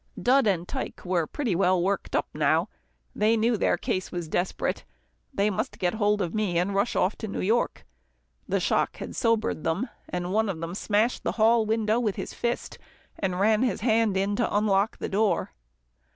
Dud and Tike were pretty well worked up now. They knew their case was desperate. They must get hold of me, and rush off to New York. The shock had sobered them, and one of them smashed the hall window with his fist, and ran his hand in to unlock the door.